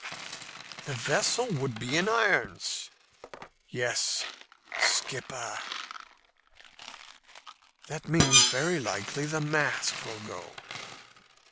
"The vessel would be in irons." "Yes, skipper." "That means very likely the mast will go."